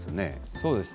そうですね。